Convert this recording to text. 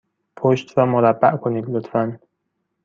پشت را مربع کنید، لطفا.